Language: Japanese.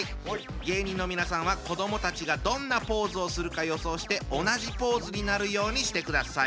芸人の皆さんは子どもたちがどんなポーズをするか予想して同じポーズになるようにしてください。